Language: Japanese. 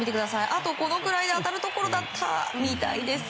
あとこのくらいで当たるところだったみたいです。